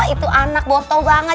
itu anak botol banget